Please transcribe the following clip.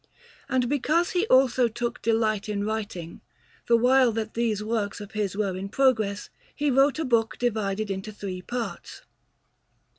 And because he also took delight in writing, the while that these works of his were in progress he wrote a book divided into three parts.